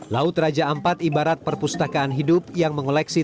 laut raja ampat ibarat perpustakaan hidup yang mengoleksi